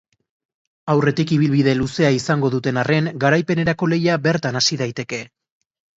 Aurretik ibilbide luzea izango duten arren, garaipenerako lehia bertan hasi daiteke.